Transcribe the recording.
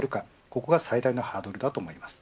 ここが最大のハードルだと思います。